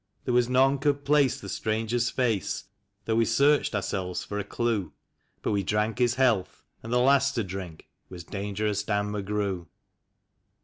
There was none could place the stranger's face, though we searched ourselves for a clue; But we drank his health, and the last to drink was Dangerous Dan McGrew. THE SHOOTING OF DAN McGREW.